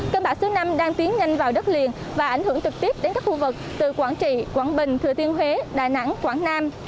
cơn bão số năm đang tiến nhanh vào đất liền và ảnh hưởng trực tiếp đến các khu vực từ quảng trị quảng bình thừa thiên huế đà nẵng quảng nam